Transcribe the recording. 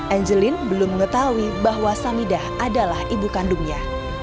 angeline belum mengetahui bahwa samidah adalah ibu kandungnya